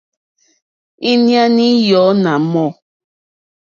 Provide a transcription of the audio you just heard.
Íɲá í yɔ̀ɔ́ nà mɔ̂.